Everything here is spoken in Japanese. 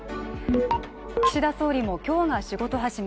岸田総理も今日が仕事始め。